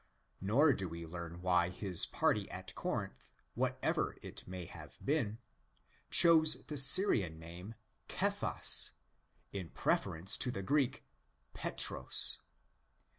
Nor do we learn why his party at Corinth—whatever it may have been— chose the Syrian name Κηφᾶς in preference to the Greek Πέτρος.